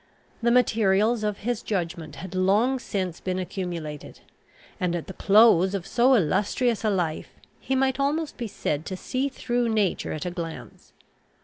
The materials of his judgment had long since been accumulated; and, at the close of so illustrious a life, he might almost be said to see through nature at a glance.